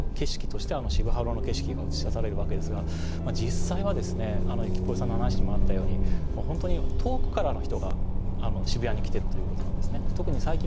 渋谷の景色として渋ハロの景色が映し出されるわけですが実際は、ゆきぽよさんの話もあったように遠くからの人が渋谷に来ているんですね。